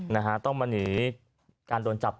นะฮะต้องมาหนีการโดนจับ